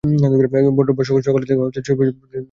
রোববার সকাল ছয়টা থেকে হরতাল শুরু হয়ে শেষ হবে বুধবার সকাল ছয়টায়।